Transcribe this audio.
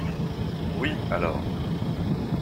Oui alors.